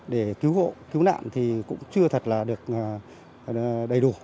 để cứu hộ cứu nạn thì cũng chưa thật là được đầy đủ